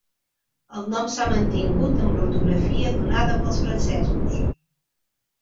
El nom s'ha mantingut amb l'ortografia donada pels francesos.